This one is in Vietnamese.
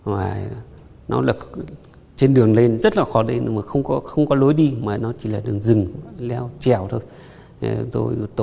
và nó lực trên đường lên rất là khó lên không có lối đi mà nó chỉ là đường rừng leo chèo thôi